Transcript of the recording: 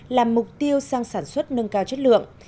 làm mục tiêu sang sản xuất nâng cao chất lượng